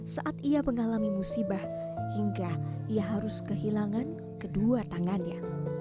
saat ia mengalami musibah hingga ia harus kehilangan kedua tangannya